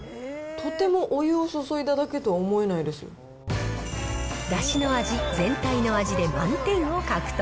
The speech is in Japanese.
とてもお湯を注いだだけとは思えだしの味、全体の味で満点を獲得。